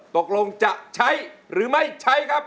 ตกลงจะใช้หรือไม่ใช้ครับ